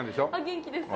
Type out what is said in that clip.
元気です。